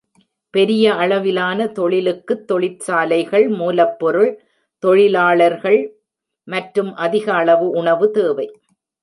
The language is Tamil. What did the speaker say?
பெரிய அளவிலான தொழிலுக்குத் தொழிற்சாலைகள், மூலப்பொருள், தொழிலாளர்கள் மற்றும் அதிக அளவு உணவு தேவை.